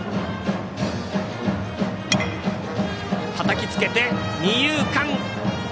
たたきつけて、二遊間。